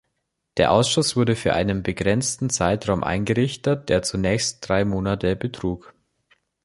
Der Ausschuss wurde für einen begrenzten Zeitraum eingerichtet, der zunächst drei Monate betrug.